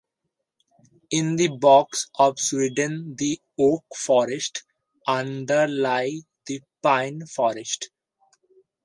In the bogs of Sweden the oak forests underlie the pine forests.